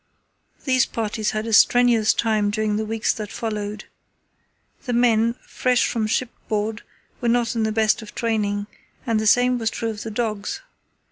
These parties had a strenuous time during the weeks that followed. The men, fresh from shipboard, were not in the best of training, and the same was true of the dogs.